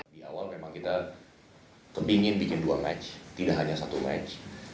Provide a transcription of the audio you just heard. di awal memang kita kepingin bikin dua match tidak hanya satu match